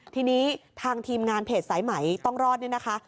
ทีนี้ทางทีมงานเพจสายไหมต้องรอดเนี่ยนะคะ